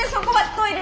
トイレ。